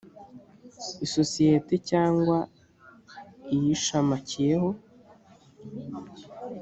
isosiyete cyangwa iyishamakiyeho